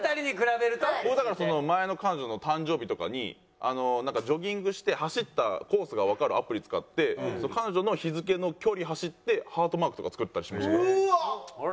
僕だから前の彼女の誕生日とかにジョギングして走ったコースがわかるアプリ使って彼女の日付の距離走ってハートマークとか作ったりしましたから。